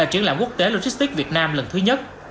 triển lãm quốc tế logistics việt nam lần thứ nhất